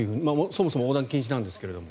そもそも横断禁止なんですけども。